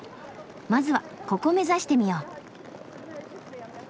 まずはここ目指してみよう。